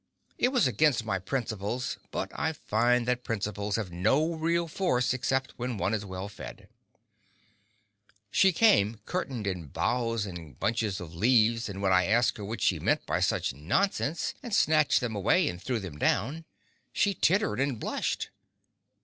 It was against my principles, but I find that principles have no real force except when one is well fed…. She came curtained in boughs and bunches of leaves, and when I asked her what she meant by such nonsense, and snatched them away and threw them down, she tittered and blushed.